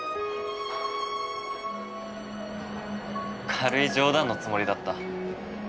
軽い冗談のつもりだった。